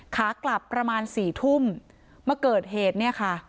ขากลับประมาณสี่ทุ่มมาเกิดเหตุเนี่ยค่ะ